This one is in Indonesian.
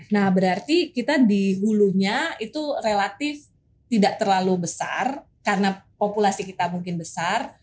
nah berarti kita di hulunya itu relatif tidak terlalu besar karena populasi kita mungkin besar